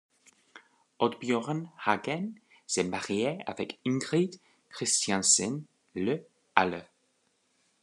Oddbjørn Hagen s'est marié avec Ingrid Kristiansen le à l'.